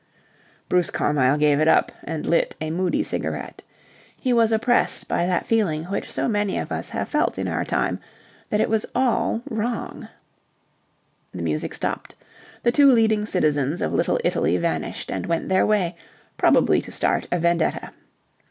Bruce Carmyle gave it up, and lit a moody cigarette. He was oppressed by that feeling which so many of us have felt in our time, that it was all wrong. The music stopped. The two leading citizens of Little Italy vanished and went their way, probably to start a vendetta.